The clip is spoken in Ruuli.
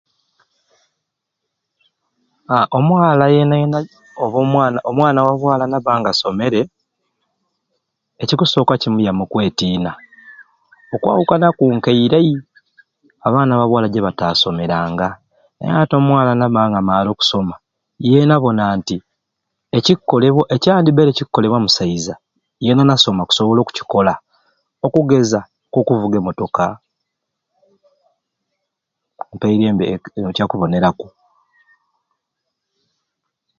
Aa omwala yeena yeena oba omwana omwana wa bwala nabba ng'asomere ekikusooka kimwiamu okwetiina okwawukanaku nkeirai abaana ba bwala gyebataasomeranga naye ati nabba ng'amaare okusoma yeena abona nti ekikukolebwa ekyandibbaire kikukolebwa musaiza yeena nasoma akusobola okukikola okugeza k'okuvuga emotoka mpairembe kyakuboneraku .